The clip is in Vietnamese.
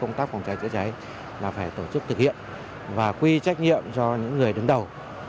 công tác phòng cháy chữa cháy là phải tổ chức thực hiện và quy trách nhiệm cho những người đứng đầu